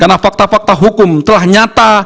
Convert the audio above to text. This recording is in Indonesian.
karena fakta fakta hukum telah nyata